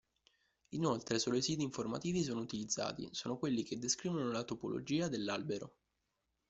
Inoltre solo i siti informativi sono utilizzati: sono quelli che descrivono la topologia dell’albero.